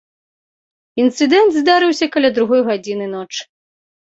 Інцыдэнт здарыўся каля другой гадзіны ночы.